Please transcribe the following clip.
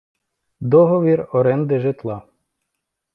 Договір оренди житла.